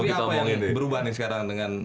tapi apa yang berubah nih sekarang dengan